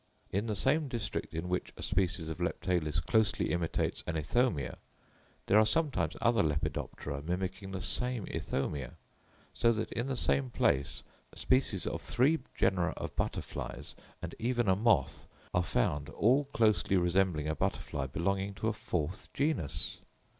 In the same district in which a species of Leptalis closely imitates an Ithomia, there are sometimes other Lepidoptera mimicking the same Ithomia: so that in the same place, species of three genera of butterflies and even a moth are found all closely resembling a butterfly belonging to a fourth genus.